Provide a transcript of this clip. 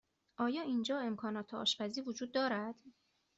آیا اینجا امکانات آشپزی وجود دارد؟